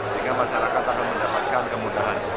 sehingga masyarakat akan mendapatkan kemudahan